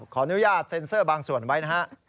ขออนุญาตเซ็นเซอร์บางส่วนไว้นะฮะ